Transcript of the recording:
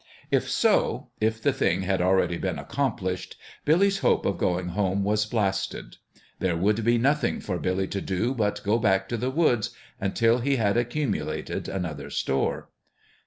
If so if the thing had already been accomplished Billy's hope of going home was blasted. There would be nothing for Billy to do but go back to the woods until he had accumu lated another store.